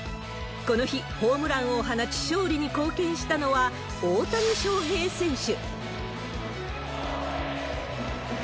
この日、ホームランを放ち勝利に貢献したのは、大谷翔平選手。